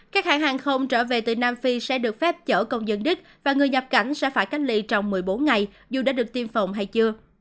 các hãng hàng không trở về từ nam phi sẽ được phép chở công dân đức và người nhập cảnh sẽ phải cách ly trong một mươi bốn ngày dù đã được tiêm phòng hay chưa